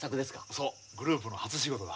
そうグループの初仕事だ。